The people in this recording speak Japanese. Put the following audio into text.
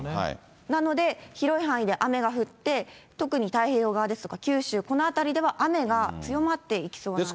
なので、広い範囲で雨が降って、特に太平洋側ですとか、九州、この辺りでは雨が強まっていきそうなんです。